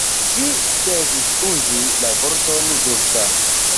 Ŝi devis uzi la vorton ĝusta.